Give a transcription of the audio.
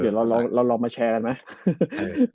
เดี๋ยวเราลองมาแชร์กันไหม